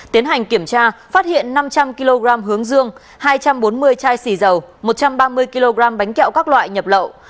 tiến hành kiểm tra phát hiện năm trăm linh kg hướng dương hai trăm bốn mươi chai xì dầu một trăm ba mươi kg bánh kẹo các loại nhập lậu